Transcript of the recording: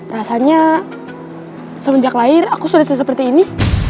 rasanya semenjak lahir aku sudah seperti ini